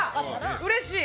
うれしい！